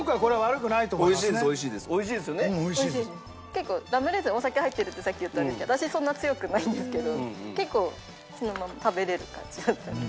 結構ラムレーズンお酒入ってるってさっき言ったんですけど私そんな強くないんですけど結構そのまま食べられる感じだったので。